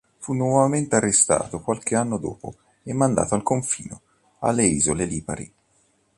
Fu nuovamente arrestato qualche anno dopo e mandato al confino alle Isole Lipari.